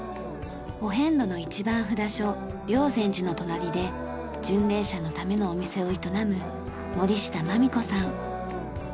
お遍路の一番札所霊山寺の隣で巡礼者のためのお店を営む森下麻実子さん。